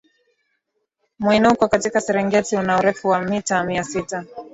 mwinuko katika serengeti una urefu wa mita mia tisa